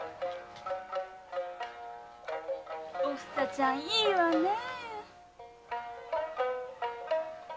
お房ちゃんいいわねぇ。